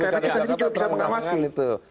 situ di putar